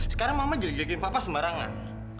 sekarang mama gilir gilirin papa sembarangan